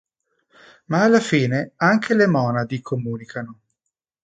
Ma alla fine anche le monadi comunicano.